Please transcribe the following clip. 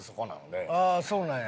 ああそうなんや。